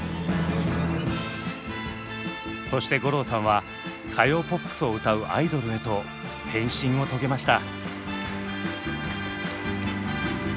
そして五郎さんは歌謡ポップスを歌うアイドルへと変身を遂げました。